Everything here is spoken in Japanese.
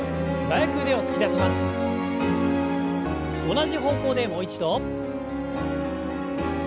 同じ方向でもう一度。